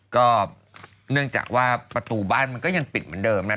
ก็เนื่องจากว่าประตูบ้านมันก็ยังปิดเหมือนเดิมนะ